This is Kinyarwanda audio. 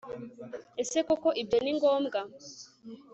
ese koko ibyo ni ngombwa